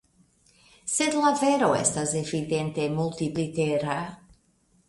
Sed la vero estas evidente multe pli tera.